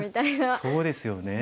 そうですよね。